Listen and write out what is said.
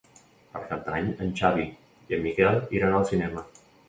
Per Cap d'Any en Xavi i en Miquel iran al cinema.